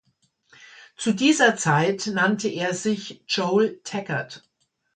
Zu dieser Zeit nannte er sich Joel Taggart.